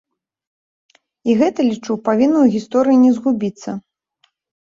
І гэта, лічу, павінна ў гісторыі не згубіцца.